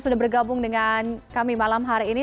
sudah bergabung dengan kami malam hari ini